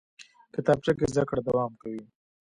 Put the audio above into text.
کتابچه کې زده کړه دوام کوي